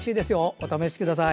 お試しください。